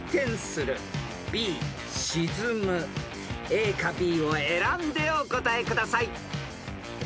［ＡかＢを選んでお答えください］